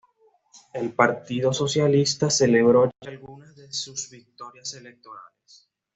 El Partido Socialista celebró allí algunas de sus victorias electorales.